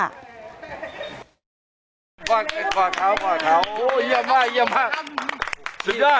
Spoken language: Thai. ขวาเท้าขวาเท้าเยี่ยมมากเยี่ยมมาก